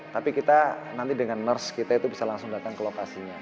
tapi kita nanti dengan mers kita itu bisa langsung datang ke lokasinya